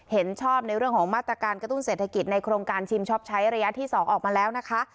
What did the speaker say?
เห็นชอบในเรื่องของมาตรการกระตุ้นเศรษฐกิจในโครงการชิมชอบใช้ระยะที่๒ออกมาแล้วนะคะ